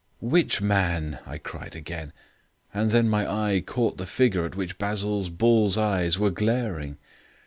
"Which man?" I cried again, and then my eye caught the figure at which Basil's bull's eyes were glaring.